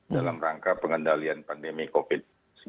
dalam rangka pengendalian pandemi covid sembilan belas